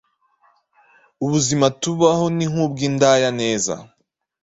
Ubuzima tubaho ni nk’ubwi ndaya neza